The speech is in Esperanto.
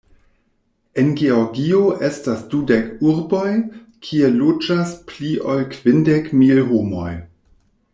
En Georgio estas dudek urboj, kie loĝas pli ol kvindek mil homoj.